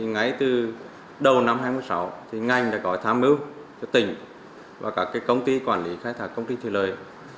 ngay từ đầu năm hai nghìn một mươi sáu ngành đã gọi tham mưu cho tỉnh và các công ty quản lý khai thạc công ty thủy lời